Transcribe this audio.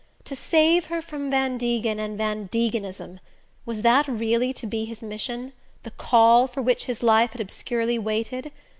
To save her from Van Degen and Van Degenism: was that really to be his mission the "call" for which his life had obscurely waited?